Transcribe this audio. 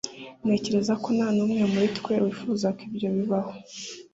Ntekereza ko nta n'umwe muri twe wifuza ko ibyo bibaho.